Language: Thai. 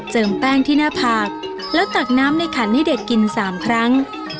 แป้งที่หน้าผากแล้วตักน้ำในขันให้เด็กกิน๓ครั้ง